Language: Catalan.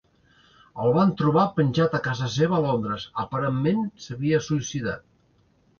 El van trobar penjat a casa seva a Londres, aparentment s'havia suïcidat.